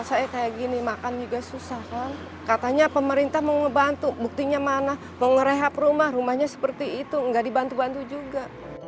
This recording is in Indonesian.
saya kayak gini makan juga susah kan katanya pemerintah mau ngebantu buktinya mana mau ngerehab rumah rumahnya seperti itu nggak dibantu bantu juga